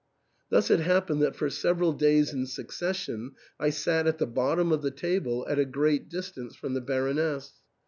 Thus it happened that for several days in succession I sat at the bottom of the table at a great distance from the Baroness.